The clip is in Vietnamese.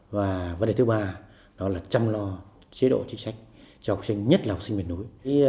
và vấn đề thứ ba đó là chăm lo chế độ chính sách cho học sinh nhất là học sinh miền núi